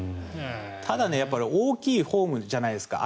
ただ大きいフォームじゃないですか。